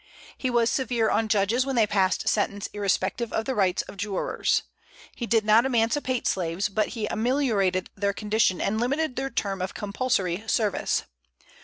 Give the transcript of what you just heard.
He was severe on judges when they passed sentence irrespective of the rights of jurors. He did not emancipate slaves, but he ameliorated their condition and limited their term of compulsory service.